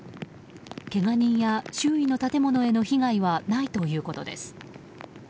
けが人や周囲の建物への被害はないということです。